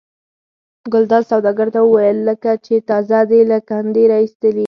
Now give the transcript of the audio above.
ګلداد سوداګر ته وویل لکه چې تازه دې له کندې را ایستلي.